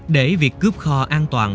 để việc cướp kho an toàn